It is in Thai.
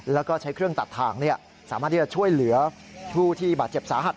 แล้วก็ใช้เครื่องตัดทางสามารถที่จะช่วยเหลือผู้ที่บาดเจ็บสาหัส